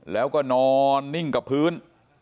แล้วก็นอนนิ่งกับพื้น